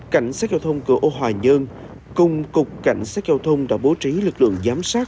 cảnh sát giao thông cửa ô hòa nhơn cùng cục cảnh sát giao thông đã bố trí lực lượng giám sát